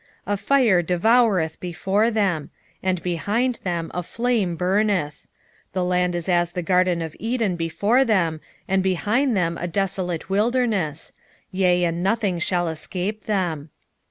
2:3 A fire devoureth before them; and behind them a flame burneth: the land is as the garden of Eden before them, and behind them a desolate wilderness; yea, and nothing shall escape them.